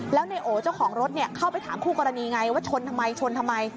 แล้วในโอเจ้าของรถเข้าไปถามคู่กรณีไงว่าชนทำไมชนทำไม